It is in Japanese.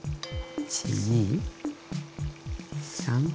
１２３４。